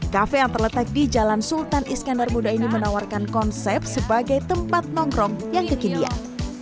kafe yang terletak di jalan sultan iskandar muda ini menawarkan konsep sebagai tempat nongkrong yang kekinian